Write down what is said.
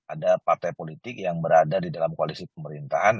ada partai politik yang berada di dalam koalisi pemerintahan